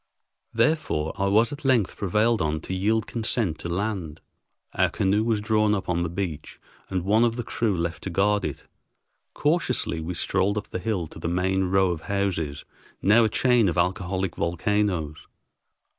Therefore I was at length prevailed on to yield consent to land. Our canoe was drawn up on the beach and one of the crew left to guard it. Cautiously we strolled up the hill to the main row of houses, now a chain of alcoholic volcanoes.